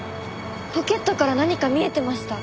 ポケットから何か見えてました。